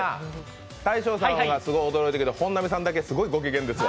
大昇さんはすごい驚いたけど、本並さんだけすごいご機嫌ですよ。